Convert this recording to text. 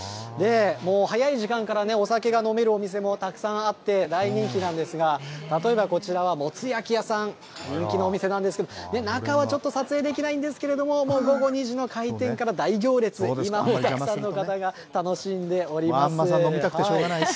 もう早い時間からお酒が飲めるお店もたくさんあって大人気なんですが、例えばこちらはもつ焼き屋さん、人気のお店なんですけど、中はちょっと撮影できないんですけれども、午後２時の開店から大行列、今もたくさんの方が楽しんでおります。